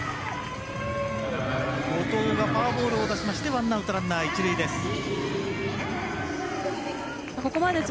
後藤がフォアボールを出しましてワンアウト、ランナー、一塁です。